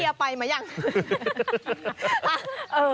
ริชัสเกียร์ไปมั้ยยัง